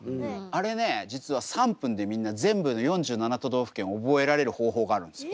あれね実は３分でみんな全部の４７都道府県覚えられる方法があるんですよ。